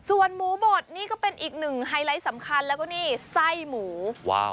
ส่วนหมูบดนี่ก็เป็นอีกหนึ่งไฮไลท์สำคัญแล้วก็นี่ไส้หมูว้าว